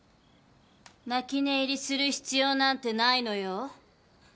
泣き寝入りする必要なんてないのよ。